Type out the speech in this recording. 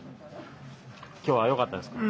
今日はよかったですか？